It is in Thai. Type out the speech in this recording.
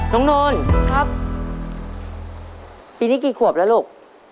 น้องนนท์ครับ